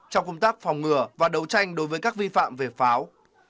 trong công tác phòng ngừa và đấu tranh đối với các vi phạm về pháo